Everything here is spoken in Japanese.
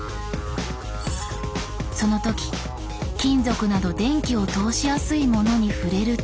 その時金属など電気を通しやすいものに触れると。